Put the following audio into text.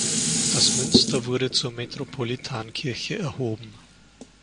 Das Münster wurde zur Metropolitankirche erhoben.